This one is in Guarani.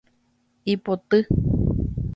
Ipoty.